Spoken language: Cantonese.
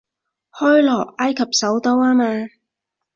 開羅，埃及首都吖嘛